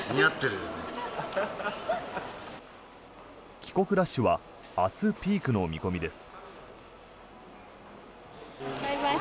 帰国ラッシュは明日、ピークの見込みです。